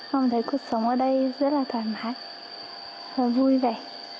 con thấy cuộc sống ở đây rất là thoải và vui vẻ